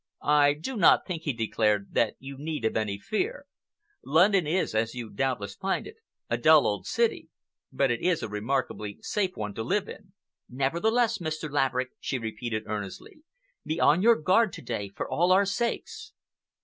"I do not think," he declared, "that you need have any fear. London is, as you doubtless find it, a dull old city, but it is a remarkably safe one to live in." "Nevertheless, Mr. Laverick," she repeated earnestly, "be on your guard to day, for all our sakes."